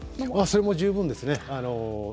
それも十分ですね。